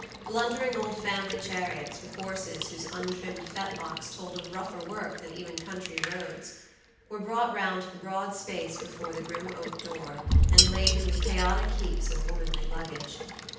Blundering old family chariots, with horses whose untrimmed fetlocks told of rougher work than even country roads, were brought round to the broad space before the grim oak door, and laden with chaotic heaps of womanly luggage.